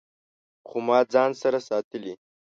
خو ما ځان سره ساتلي